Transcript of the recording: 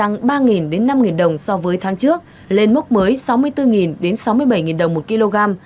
giá lợn hơi tăng ba năm đồng so với tháng trước lên mốc mới sáu mươi bốn sáu mươi bảy đồng một kg